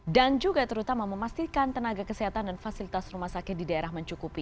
dan juga terutama memastikan tenaga kesehatan dan fasilitas rumah sakit di daerah mencukupi